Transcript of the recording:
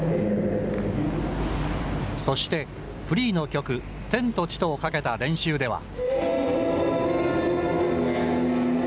そしてフリーの曲、天と地とをかけた練習では。